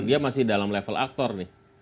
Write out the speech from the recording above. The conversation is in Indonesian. dia masih dalam level aktor nih